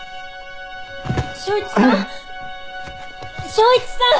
昇一さん？